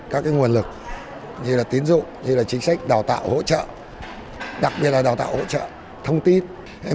các nguồn lực như là tín dụng như là chính sách đào tạo hỗ trợ đặc biệt là đào tạo hỗ trợ thông tin